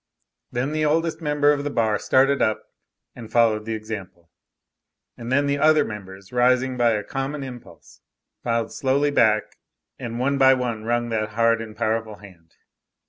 Then the oldest member of the bar started up and followed the example; and then the other members, rising by a common impulse, filed slowly back and one by one wrung that hard and powerful hand.